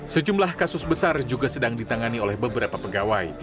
sejumlah kasus besar juga sedang ditangani oleh beberapa pegawai